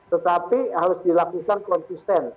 tetapi harus dilakukan konsisten